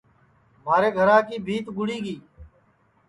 مھارے گھرا کی بھیت گُڑی گی